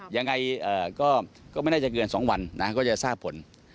ยังไงก็ไม่น่าจะเกิน๒วันนะก็จะทราบผล